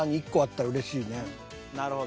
なるほど。